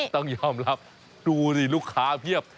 ต้องยอมรับดูดิลูกค้าเพียบ